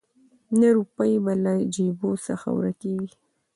نه روپۍ به له جېبو څخه ورکیږي